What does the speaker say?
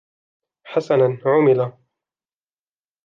حسنًا عُمِلَ.